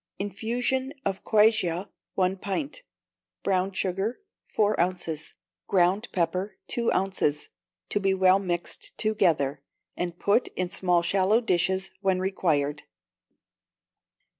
Infusion of quassia, one pint; brown sugar, four ounces; ground pepper, two ounces. To be well mixed together, and put in small shallow dishes when required. 2479.